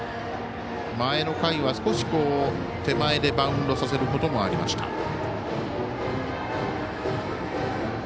前の回は、少し手前でバウンドさせることもありました。